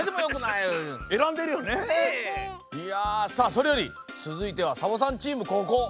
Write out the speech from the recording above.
いやさあそれよりつづいてはサボさんチームこうこう。